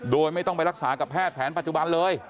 โดยไม่ต้องไปรักษากับแพทย์แผนปัจจุบันเลย